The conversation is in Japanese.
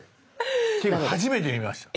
っていうか初めて見ました。